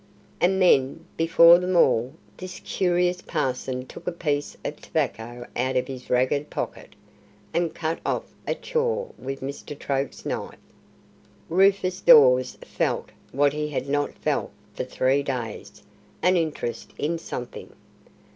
And then, before them all, this curious parson took a piece of tobacco out of his ragged pocket, and cut off a "chaw" with Mr. Troke's knife. Rufus Dawes felt what he had not felt for three days an interest in something.